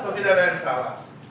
tidak ada yang salah